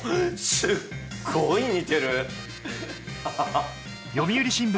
すっごい似てる！